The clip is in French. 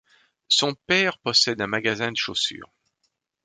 Son père possède un magasin de chaussures.